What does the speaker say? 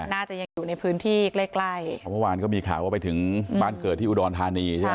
น่าจะยังอยู่ในพื้นที่ใกล้ใกล้เพราะเมื่อวานก็มีข่าวว่าไปถึงบ้านเกิดที่อุดรธานีใช่ไหม